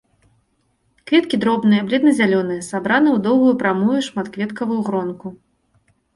Кветкі дробныя, бледна-зялёныя, сабраны ў доўгую прамую шматкветкавую гронку.